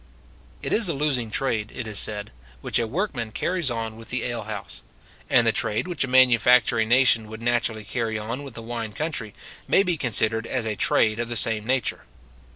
It is a losing trade, it is said, which a workman carries on with the alehouse; and the trade which a manufacturing nation would naturally carry on with a wine country, may be considered as a trade of the same nature.